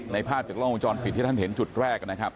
ภาพจากล้องวงจรปิดที่ท่านเห็นจุดแรกนะครับ